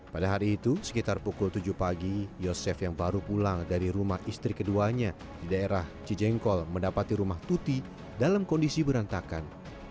pada hari itu sekitar pukul tujuh pagi yosef yang baru pulang dari rumah istri keduanya di daerah cijengkol mendapati rumah tuti dalam kondisi berantakan